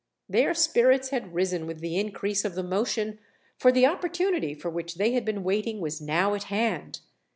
Their spirits had risen with the increase of the motion, for the opportunity for which they had been waiting was now at hand.